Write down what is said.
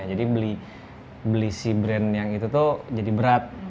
jadi beli si brand yang itu tuh jadi berat